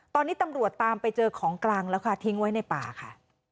ตอนนี้ตำรวจตามไปเจอของกลางแล้วค่ะทิ้งไว้ในป่าค่ะ